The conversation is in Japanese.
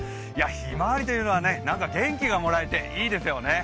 ひまわりというのは元気がもらえていいですよね。